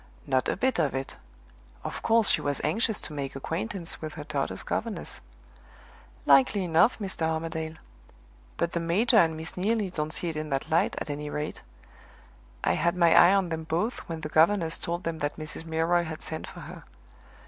"Not a bit of it! Of course she was anxious to make acquaintance with her daughter's governess." "Likely enough, Mr. Armadale. But the major and Miss Neelie don't see it in that light, at any rate. I had my eye on them both when the governess told them that Mrs. Milroy had sent for her.